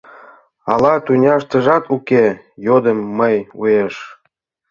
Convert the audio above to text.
— «Ала тӱняштыжат уке?» — йодым мый уэш.